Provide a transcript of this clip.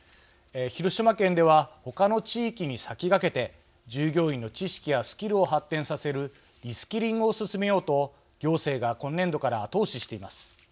広島県では他の地域に先駆けて、従業員の知識やスキルを発展させるリスキリングを進めようと行政が今年度から後押ししています。